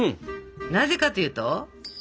なぜかというと？